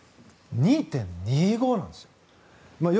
２．２５なんですよ。